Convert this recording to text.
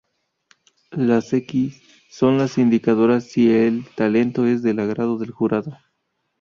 Las X son las indicadoras si el talento es del agrado del jurado.